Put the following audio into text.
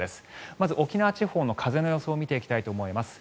まず沖縄地方の風の予想を見ていきたいと思います。